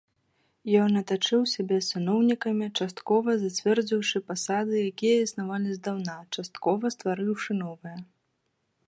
Ён атачыў сябе саноўнікамі, часткова, зацвердзіўшы пасады, якія існавалі здаўна, часткова, стварыўшы новыя.